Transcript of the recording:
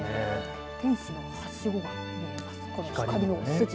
天使のはしごが見えます。